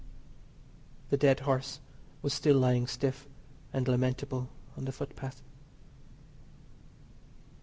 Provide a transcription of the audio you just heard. The dead horse was still lying stiff and lamentable on the footpath.